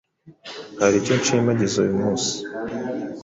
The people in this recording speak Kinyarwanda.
Hari icyo nshimagiza uyu munsi